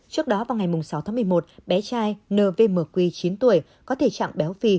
trước đó vào ngày sáu tháng một mươi một bé trai nvmq chín tuổi có thể chặng béo phi